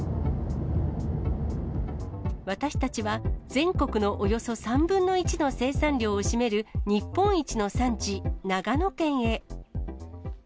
私たちは全国のおよそ３分の１の生産量を占める日本一の産地、長野県へ。